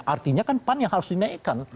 artinya kan pan yang harus dinaikkan